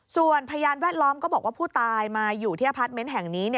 ส่วนพยานแวดล้อมก็บอกว่าผู้ตายมาอยู่ที่อพาร์ทเมนต์แห่งนี้